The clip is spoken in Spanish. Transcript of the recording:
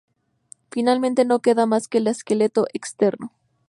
Finalmente no queda más que el esqueleto externo.